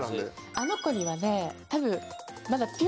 あの子にはねまだ。